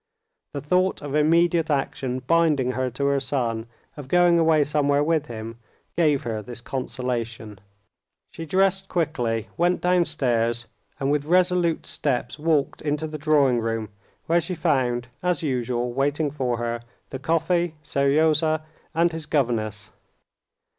The thought of immediate action binding her to her son, of going away somewhere with him, gave her this consolation. She dressed quickly, went downstairs, and with resolute steps walked into the drawing room, where she found, as usual, waiting for her, the coffee, Seryozha, and his governess.